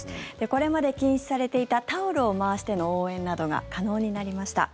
これまで禁止されていたタオルを回しての応援などが可能になりました。